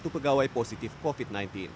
tiga puluh satu pegawai positif covid sembilan belas